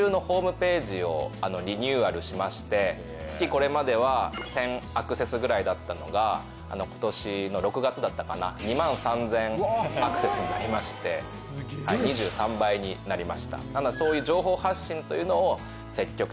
これまでは１０００アクセスぐらいだったのが今年の６月だったかな２万３０００アクセスになりまして２３倍になりました